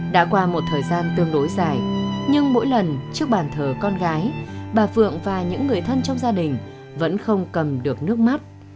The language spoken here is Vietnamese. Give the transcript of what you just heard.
đã qua một thời gian tương đối dài nhưng mỗi lần trước bàn thờ con gái bà phượng và những người thân trong gia đình vẫn không cầm được nước mắt